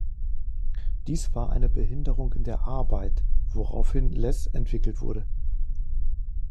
Dies war eine Behinderung in der Arbeit, woraufhin less entwickelt wurde.